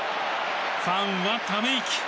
ファンはため息。